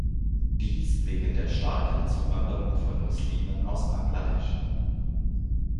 Dies wegen der starken Zuwanderung von Muslimen aus Bangladesch.